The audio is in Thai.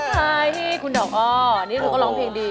บททันมีขวาให้คุณดอกอ๋อนี่คือเราก็ร้องเพลงดี